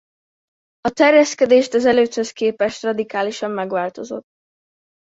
A terjeszkedést az elődhöz képest radikálisan megváltozott.